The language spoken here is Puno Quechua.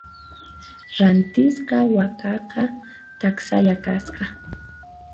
Rantisqa wakaqa taksalla kasqa.